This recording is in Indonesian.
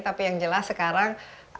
tapi yang jelas sekarang